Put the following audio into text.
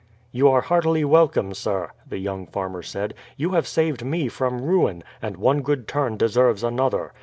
"You are heartily welcome, sir," the young farmer said. "You have saved me from ruin, and one good turn deserves another.